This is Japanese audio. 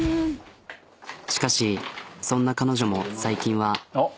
しかしそんな彼女も最近は。おっ。